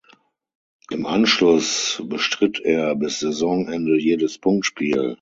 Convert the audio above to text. Im Anschluss bestritt er bis Saisonende jedes Punktspiel.